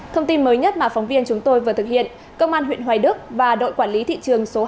thông tin mới nhất mà phóng viên chúng tôi vừa thực hiện công an huyện hoài đức và đội quản lý thị trường số hai